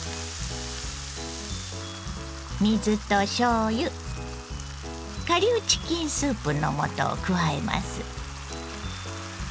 水としょうゆ顆粒チキンスープの素を加えます。